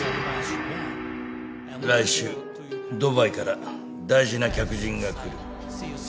来週ドバイから大事な客人が来る。